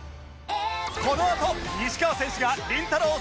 このあと西川選手がりんたろー。